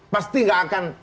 pasti gak akan